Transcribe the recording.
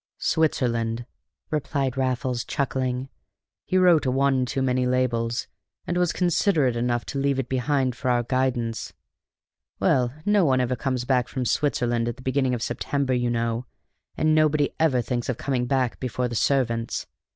"Switzerland," replied Raffles, chuckling; "he wrote one too many labels, and was considerate enough to leave it behind for our guidance. Well, no one ever comes back from Switzerland at the beginning of September, you know; and nobody ever thinks of coming back before the servants.